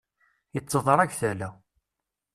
Itteḍṛag tala.